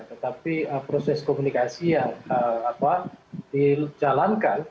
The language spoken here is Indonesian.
tetapi proses komunikasi yang dijalankan